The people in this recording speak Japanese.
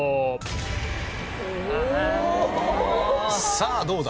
さあどうだ？